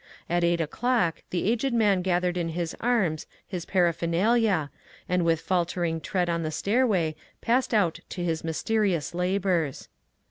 At eight o'clock the aged man gathered in his arms his para phernalia, and with faltering tread on the stairway passed out to his mysterious labours.